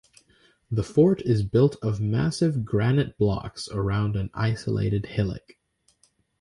The fort is built of massive granite blocks around an isolated hillock.